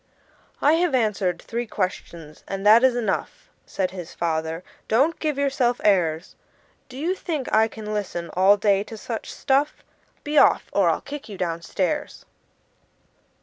"I have answered three questions, and that is enough," Said his father; "don't give yourself airs! Do you think I can listen all day to such stuff? Be off, or I'll kick you down stairs!"